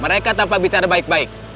mereka tanpa bicara baik baik